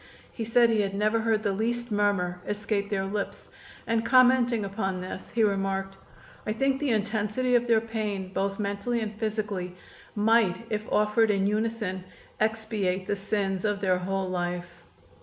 He said he had never heard the least murmur escape their lips, and commenting upon this he remarked: "I think the intensity of their pain, both mentally and physically, might, if offered in unison, expiate the sins of their whole life."